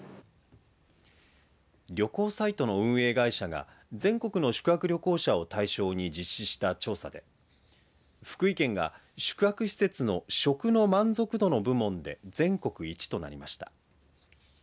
旅行サイトの運営会社が全国の宿泊旅行者を対象に実施した調査で福井県が宿泊施設の食の満足度の部門で全国一となりました。